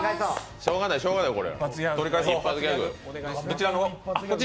しょうがない、しょうがない取り返そう。